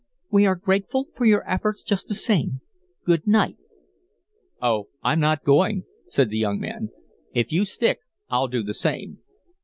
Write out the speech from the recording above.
"We are grateful for your efforts just the same. Good night." "Oh, I'm not going," said the young man. "If you stick I'll do the same."